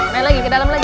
main lagi ke dalam lagi